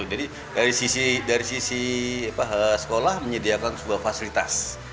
jadi dari sisi sekolah menyediakan sebuah fasilitas